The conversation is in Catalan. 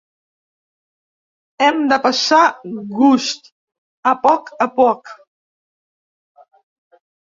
Hem de passar gust, a poc a poc.